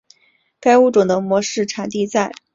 该物种的模式产地在汤加。